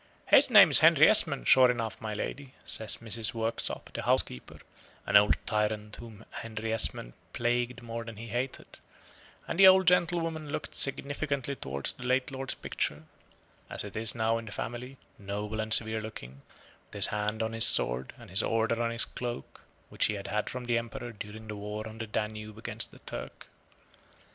"His name is Henry Esmond, sure enough, my lady," says Mrs. Worksop, the housekeeper (an old tyrant whom Henry Esmond plagued more than he hated), and the old gentlewoman looked significantly towards the late lord's picture, as it now is in the family, noble and severe looking, with his hand on his sword, and his order on his cloak, which he had from the Emperor during the war on the Danube against the Turk.